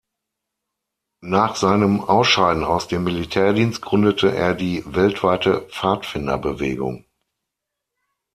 Nach seinem Ausscheiden aus dem Militärdienst gründete er die weltweite Pfadfinderbewegung.